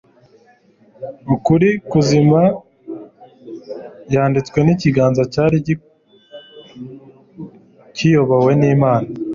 Ukuri kuzima; yanditswe n'ikiganza cyari kiyobowe n'Imana,